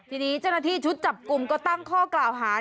ทีนี้เจ้าหน้าที่ชุดจับกลุ่มก็ตั้งข้อกล่าวหา